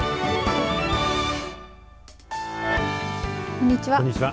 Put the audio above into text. こんにちは。